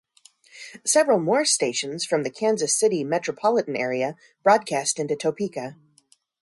Several more stations from the Kansas City metropolitan area broadcast into Topeka.